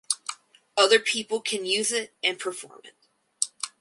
Other people can use it and perform it.